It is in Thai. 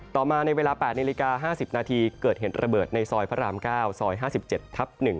ต่อมาในเวลา๘นาฬิกา๕๐นาทีเกิดเหตุระเบิดในซอยพระราม๙ซอย๕๗ทับ๑